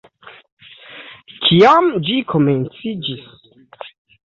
Kiam ĝi komenciĝis?